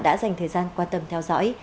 đã dành thời gian quan tâm theo dõi